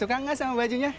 suka enggak sama bajunya